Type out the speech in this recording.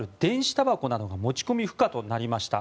たばこなどが持ち込み不可となりました。